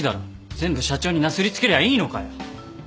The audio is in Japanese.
全部社長になすり付けりゃいいのかよ！